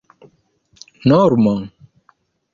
normo